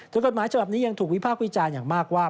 โดยกฎหมายฉบับนี้ยังถูกวิพากษ์วิจารณ์อย่างมากว่า